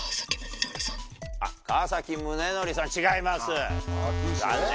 あっ川宗則さん違います残念。